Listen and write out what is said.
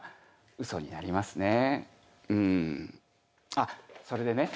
あっそれでね